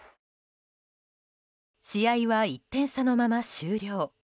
試合は１点差のまま終了。